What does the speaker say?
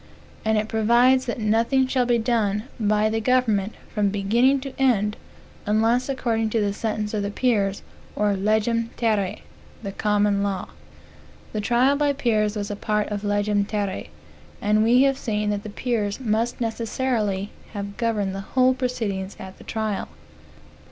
And it provides that nothing shall be done, by the government, from beginning to end, unless according to the sentence of the peers, or "legem terrae," the common law. The trial by peers was a part of legem terrae, and we have seen that the peers must necessarily have governed the whole proceedings at the tria1.